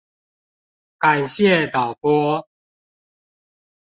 感謝導播